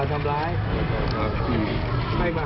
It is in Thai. ยังไม่ได้